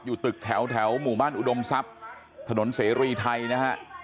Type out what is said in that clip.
อยู่ตึกแถวหมู่บ้านอุดมทรัพย์ถนนเสรีไทยนะฮะ